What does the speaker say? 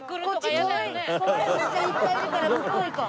怖いおじちゃんいっぱいいるから向こう行こう。